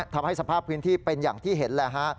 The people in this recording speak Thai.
ทำให้สภาพพื้นที่เป็นอย่างที่เห็นแหละฮะ